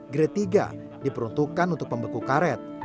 grade tiga diperuntukkan untuk pembeku karet